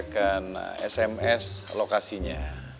akan sms lokasinya